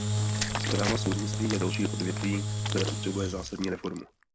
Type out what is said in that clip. Správa soudnictví je další odvětví, které potřebuje zásadní reformu.